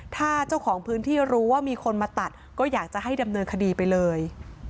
ถ้าเจ้าของพื้นที่รู้ว่ามีคนมาตัดก็อยากจะให้ดำเนินคดีไปเลย